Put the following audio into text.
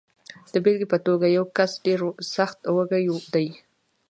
د بېلګې په توګه، یو کس ډېر سخت وږی دی.